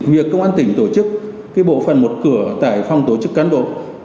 việc công an tỉnh tổ chức bộ phần một cửa tại phòng tổ chức cán bộ